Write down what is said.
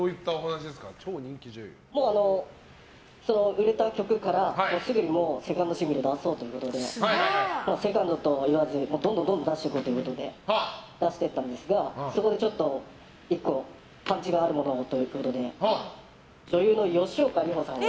売れた曲からすぐにセカンドシングル出そうということでセカンドといわずどんどん出していこうってことで出していったんですがそこでちょっと、１個パンチがあるものをということで女優の吉岡里帆さんを。